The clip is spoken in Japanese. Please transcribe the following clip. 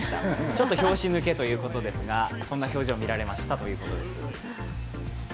ちょっと拍子抜けということですがこんな表情が見られたということです。